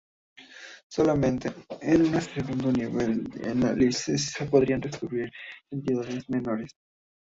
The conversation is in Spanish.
Solamente en un segundo nivel de análisis se podrían describir entidades menores.